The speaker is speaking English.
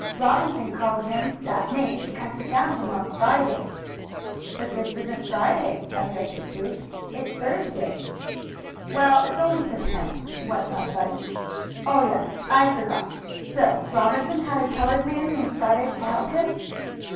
Robinson called him that name because he found him on Friday." "But this isn't Friday," objected Sue. "It's Thursday." "Well, it's only pretend," went on Bunny. "Oh, yes. I forgot. So Robinson had a colored man named Friday to help him."